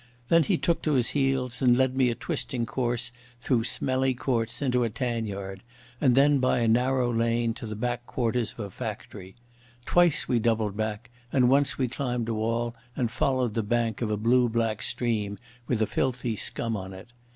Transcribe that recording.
Then he took to his heels, and led me a twisting course through smelly courts into a tanyard and then by a narrow lane to the back quarters of a factory. Twice we doubled back, and once we climbed a wall and followed the bank of a blue black stream with a filthy scum on it.